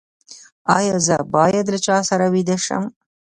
ایا زه باید له چا سره ویده شم؟